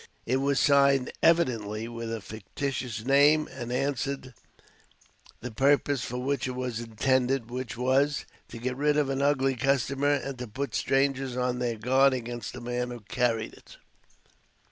It was signed evidently with a fictitious name, and answered the purpose for which it was intended, which was, to get rid of an ugly customer and to put strangers on their guard against the man who carried it.